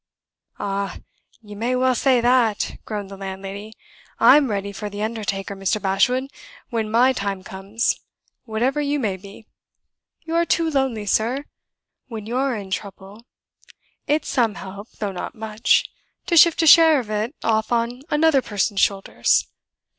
"Ah, you may well say that!" groaned the landlady. "I'm ready for the undertaker, Mr. Bashwood, when my time comes, whatever you may be. You're too lonely, sir. When you're in trouble, it's some help though not much to shift a share of it off on another person's shoulders.